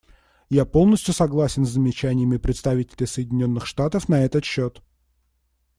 Я полностью согласен с замечаниями представителя Соединенных Штатов на этот счет.